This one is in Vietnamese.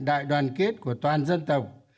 đại đoàn kết của toàn dân tộc